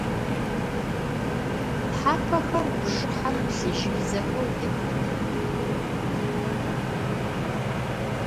Тхьапэхэр бжыхьэм плъыжьыбзэхэу дэхэ дэдэх.